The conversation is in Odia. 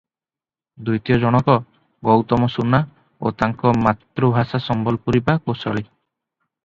ଦ୍ୱିତୀୟ ଜଣକ ଗୌତମ ସୁନା ଓ ତାଙ୍କ ମାତୃଭାଷା ସମ୍ବଲପୁରୀ ବା କୋସଳୀ ।